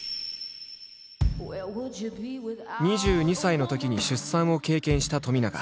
２２歳のときに出産を経験した冨永。